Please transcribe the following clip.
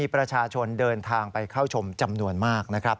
ประชาชนเดินทางไปเข้าชมจำนวนมากนะครับ